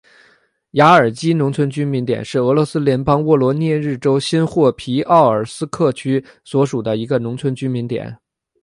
亚尔基农村居民点是俄罗斯联邦沃罗涅日州新霍皮奥尔斯克区所属的一个农村居民点。